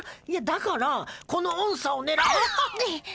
いやだからこの音叉をねらあぁっ！